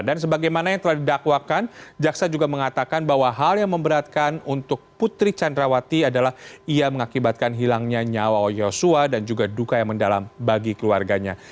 dan sebagaimana yang telah didakwakan jaksa juga mengatakan bahwa hal yang memberatkan untuk putri candrawati adalah ia mengakibatkan hilangnya nyawa yosua dan juga duka yang mendalam bagi keluarganya